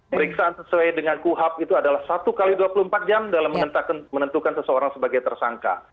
periksaan sesuai dengan kuhap itu adalah satu x dua puluh empat jam dalam menentukan seseorang sebagai tersangka